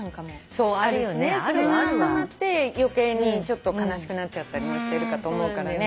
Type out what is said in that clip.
それがたまって余計にちょっと悲しくなっちゃったりもしてるかと思うからね。